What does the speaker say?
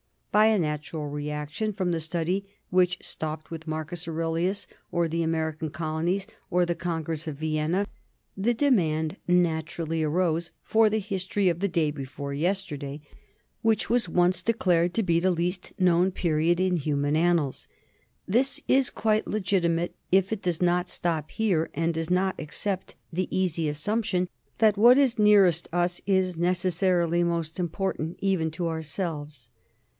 By a natural reaction from the study which stopped with Marcus Aurelius or the American colonies or the Congress of Vienna, the demand natu rally arose for the history of the day before yesterday, which was once declared to be the least known period in human annals. This is quite legitimate if it does not stop here and does not accept the easy assumption that what is nearest us is necessarily most important, even to ourselves.